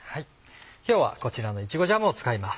今日はこちらのイチゴジャムを使います。